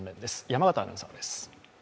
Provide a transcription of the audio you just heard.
山形アナウンサーです。